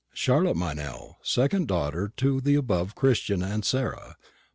"Charlotte Meynell, second daughter of the above Christian and Sarah, b.